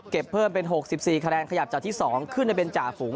เพิ่มเป็น๖๔คะแนนขยับจากที่๒ขึ้นได้เป็นจ่าฝูง